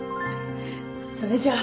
それじゃあ。